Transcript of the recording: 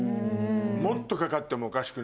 もっとかかってもおかしくないよ。